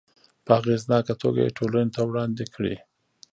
په اغیزناکه توګه یې ټولنې ته وړاندې کړي.